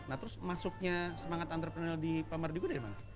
nah terus masuknya semangat entrepreneurial di pemerintah gue dari mana